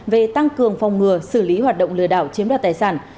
về tăng cường phòng ngừa xử lý hoạt động lừa đảo chiếm đoạt tài sản